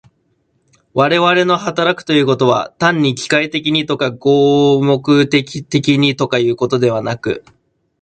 我々の働くということは、単に機械的にとか合目的的にとかいうことでなく、